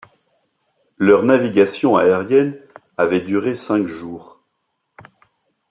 Leur navigation aérienne avait duré cinq jours